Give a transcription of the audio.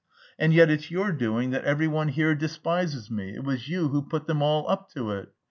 and yet it's your doing that every one here despises me, it was you put them all up to it!"